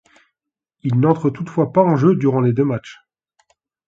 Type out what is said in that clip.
Il n'entre toutefois pas en jeu durant les deux matchs.